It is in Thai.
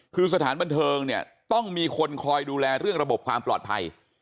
คือสถานบันเทิงเนี่ยต้องมีคนคอยดูแลเรื่องระบบความปลอดภัย